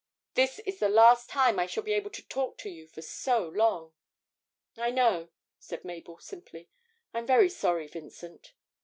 'This is the last time I shall be able to talk to you for so long.' 'I know,' said Mabel, simply; 'I'm very sorry, Vincent.'